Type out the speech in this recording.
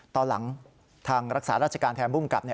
ตอนหลังทางรักษาราชการแทนภูมิกับ